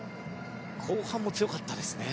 後半も強かったですね。